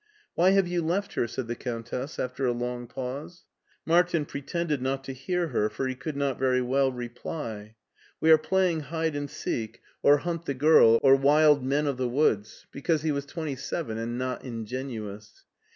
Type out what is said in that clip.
*' Why have you left her ?" said the Countess after a long pause. Martin pretended not to hear her, for he could not very well reply, *' We are playing hide and seek, or I90 MARTIN SCHULER hunt the girl, or wild men of the woods," because he was twenty seven and not ingenuous.